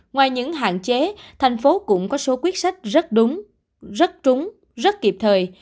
ngoài những hạn chế thành phố cũng có số quyết sách rất đúng rất trúng rất kịp thời